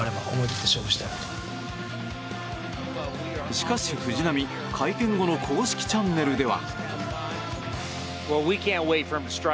しかし、藤浪会見後の公式チャンネルでは。